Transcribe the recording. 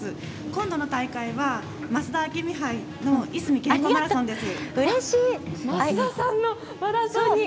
今度の大会は増田明美杯のいずみ健康マラソンです。